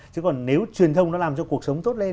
chứ còn nếu truyền thông nó làm cho cuộc sống tốt lên